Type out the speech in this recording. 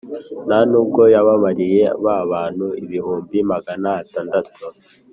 Nta n’ubwo yababariye ba bantu ibihumbi magana atandatu,